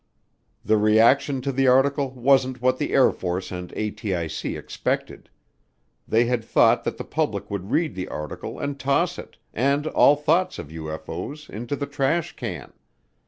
The reaction to the article wasn't what the Air Force and ATIC expected. They had thought that the public would read the article and toss it, and all thoughts of UFO's, into the trash can.